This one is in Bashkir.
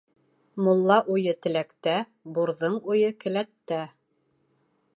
Мулла уйы теләктә, бурҙың уйы келәттә.